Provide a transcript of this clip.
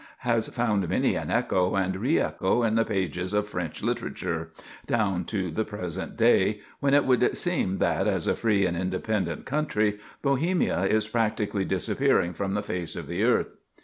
has found many an echo and re echo in the pages of French literature, down to the present day, when it would seem that, as a free and independent country, Bohemia is practically disappearing from the face of the earth.